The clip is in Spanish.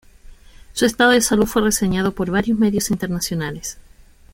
Su estado de salud fue reseñado por varios medios internacionales.